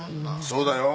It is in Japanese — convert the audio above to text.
そうだよ。